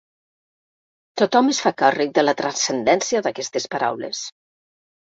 Tothom es fa càrrec de la transcendència d'aquestes paraules.